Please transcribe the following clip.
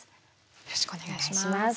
よろしくお願いします。